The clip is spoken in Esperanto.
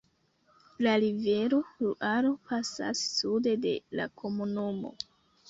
La rivero Luaro pasas sude de la komunumo.